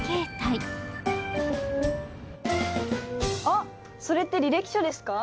あっそれって履歴書ですか？